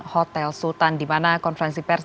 hotel sultan dimana konferensi pers